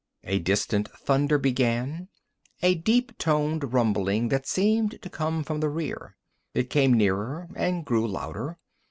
A distant thunder began, a deep toned rumbling that seemed to come from the rear. It came nearer and grew louder.